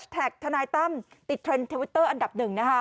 ทนายตั้มติดเทรนด์ทวิตเตอร์อันดับหนึ่งนะคะ